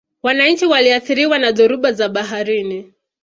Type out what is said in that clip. wananchi wanaathiriwa na dhoruba za baharini